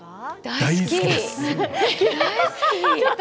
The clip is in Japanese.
大好き。